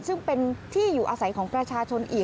ซึ่งเป็นที่อยู่อาศัยของประชาชนอีก